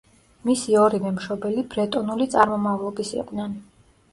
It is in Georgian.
მისი ორივე მშობელი ბრეტონული წარმომავლობის იყვნენ.